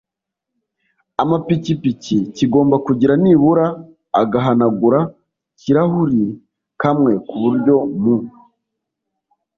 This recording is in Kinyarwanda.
amapikipiki kigomba kugira nibura agahanagura kirahuri kamwe ku buryo mu